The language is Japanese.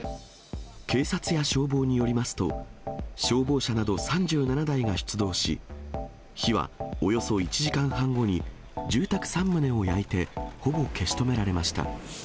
警察や消防によりますと、消防車など３７台が出動し、火はおよそ１時間半後に、住宅３棟を焼いてほぼ消し止められました。